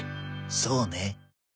そうね。